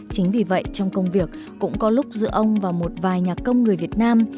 chính vì vậy trong công việc cũng có lúc giữa ông và một vài nhà công người việt nam